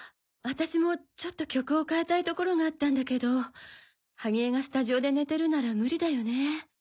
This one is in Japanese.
私もちょっと曲を変えたい所があったんだけど萩江がスタジオで寝てるなら無理だよね？